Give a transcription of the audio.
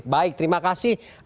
baik terima kasih